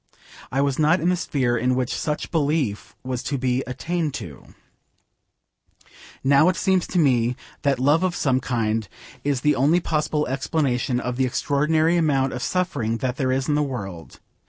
I was not in the sphere in which such belief was to be attained to. Now it seems to me that love of some kind is the only possible explanation of the extraordinary amount of suffering that there is in the world.